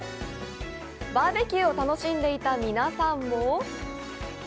バーベキューを楽しんでいた皆さんも？